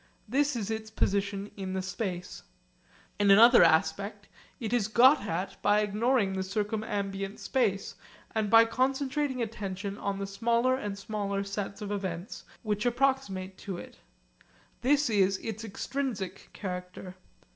This is its position in the space. In another aspect it is got at by ignoring the circumambient space, and by concentrating attention on the smaller and smaller set of events which approximate to it. This is its extrinsic character.